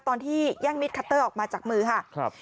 ตอนที่แย่งมิดคัตเตอร์ออกมาจากมือค่ะครับ